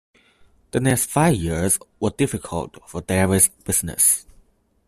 The next five years were difficult for Davies' business.